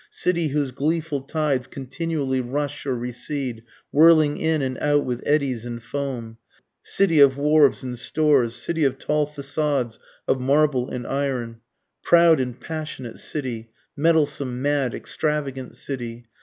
City whose gleeful tides continually rush or recede, whirling in and out with eddies and foam! City of wharves and stores city of tall façades of marble and iron! Proud and passionate city mettlesome, mad, extravagant city!